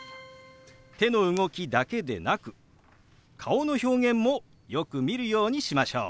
手の動きだけでなく顔の表現もよく見るようにしましょう。